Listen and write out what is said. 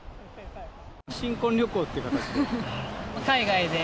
新婚旅行っていう形で。